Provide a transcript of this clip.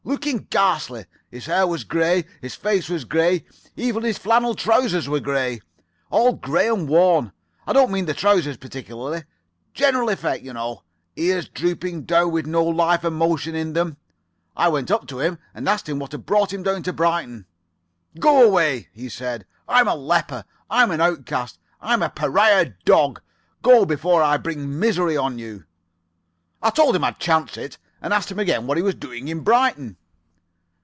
Looking ghastly. His hair was grey. His face was grey. Even his flannel trousers were grey. All grey and worn. I don't mean the trousers particularly. General effect, you know. Ears drooping down with no life or motion in them. I went up to him and asked him what brought him down to Brighton. "'Go away,' he said. 'I'm a leper. I'm an outcast. I'm a pariah dog. Go before I bring misery on you.' "I told him I'd chance it, and asked him again what he was doing at Brighton.